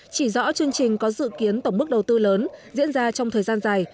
chỉ rõ chương trình có dự kiến tổng mức đầu tư lớn diễn ra trong thời gian dài